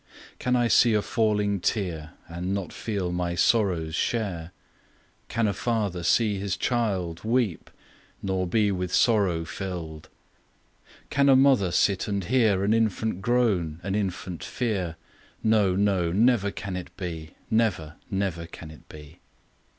Can I see a falling tear, And not feel my sorrow's share? Can a father see his child Weep, nor be with sorrow filled? Can a mother sit and hear An infant groan, an infant fear? No, no! never can it be! Never, never can it be!